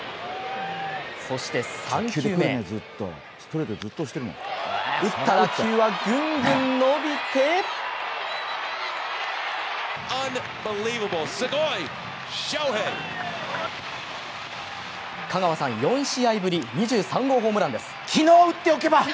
そして、３球目打った打球はぐんぐん伸びて香川さん、４試合ぶり２３号ホームランです。